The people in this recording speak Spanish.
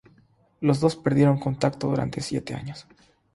Los dos perdieron contacto durante siete años.